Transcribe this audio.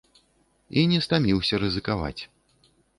І не стаміўся рызыкаваць.